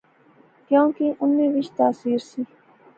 کیاں کہ انیں وچ تاثیر سی